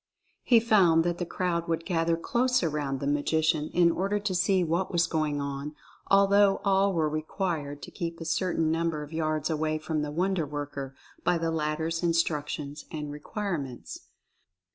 He found that the crowd would gather close around the Magician in order to see what was going on, al though all were required to keep a certain number of yards away from the wonder worker by the latter's instructions and requirements.